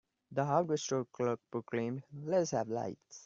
The hardware store clerk proclaimed, "Let us have lights!"